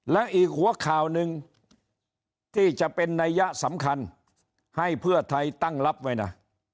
และอีกหัวข่าวหนึ่งที่จะเป็นนัยยะสำคัญให้เพื่อไทยตั้งรับไว้นะ